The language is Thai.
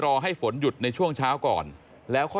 ทางนิติกรหมู่บ้านแจ้งกับสำนักงานเขตประเวท